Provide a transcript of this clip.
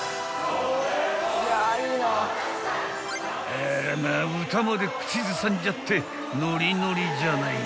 ［あらまあ歌まで口ずさんじゃってノリノリじゃないの］